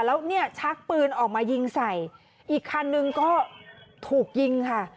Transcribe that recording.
แล้วเนี่ยชักปืนออกมายิงใส่อีกคันนึงก็ถูกยิงค่ะ